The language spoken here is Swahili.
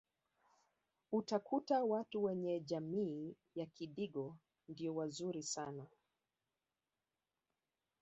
utakuta watu wenye jamii ya kidigo ndio wazuri sana